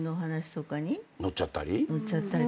乗っちゃったり？